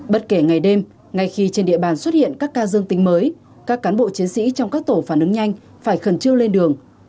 bất kể ngày đêm ngay khi trên địa bàn xuất hiện các ca dương tính mới các cán bộ chiến sĩ trong các tổ phản ứng nhanh phải khẩn trương lên đường